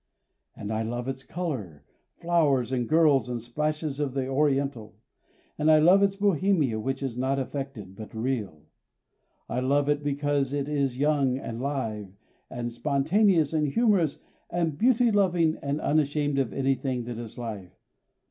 And I love its color, flowers and girls and splashes of the Oriental. And I love its Bohemia which is not affected, but real. I love it because it is young and live and spontaneous and humorous and beauty loving and unashamed of anything that is life.